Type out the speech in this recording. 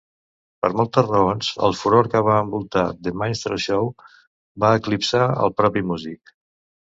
Per moltes raons, el furor que va envoltar "The Minstrel Show" va eclipsar al propi music.